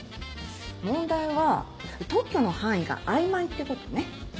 問題は特許の範囲が曖昧ってことね。